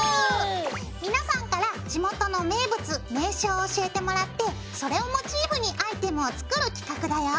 皆さんから地元の名物名所を教えてもらってそれをモチーフにアイテムを作る企画だよ！